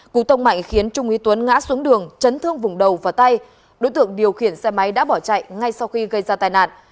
cú tông mạnh khiến trung ú tuấn ngã xuống đường chấn thương vùng đầu và tay đối tượng điều khiển xe máy đã bỏ chạy ngay sau khi gây ra tai nạn